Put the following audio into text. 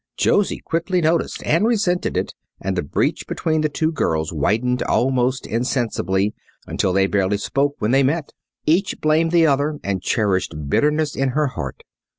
Josie quickly noticed and resented it, and the breach between the two girls widened almost insensibly, until they barely spoke when they met. Each blamed the other and cherished bitterness in her heart.